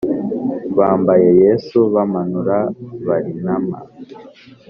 Bamba Yesu bamanura barinama